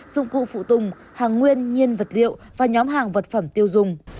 dụng cụ phụ tùng hàng nguyên nhiên vật liệu và nhóm hàng vật phẩm tiêu dùng